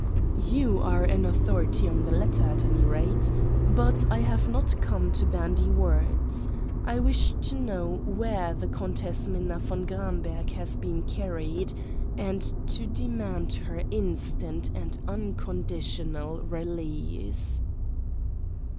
"You are an authority on the latter, at any rate. But I have not come to bandy words. I wish to know where the Countess Minna von Gramberg has been carried, and to demand her instant and unconditional release."